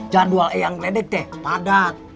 jadwal eang dedek deh padat